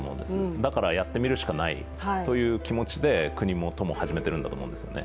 だからやってみるしかないという気持ちで国も都も始めているんだと思うんですね。